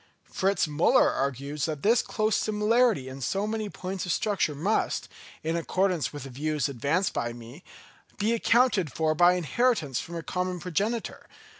Fritz Müller argues that this close similarity in so many points of structure must, in accordance with the views advanced by me, be accounted for by inheritance from a common progenitor.